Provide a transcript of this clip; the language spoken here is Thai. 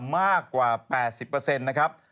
มากกว่า๘๐นะครับ